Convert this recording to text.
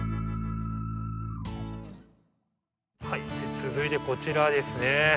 はい続いてこちらですね。